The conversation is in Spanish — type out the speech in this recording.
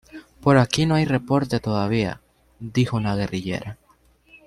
Por aquí no hay reporte todavía"" -dijo una guerrillera-.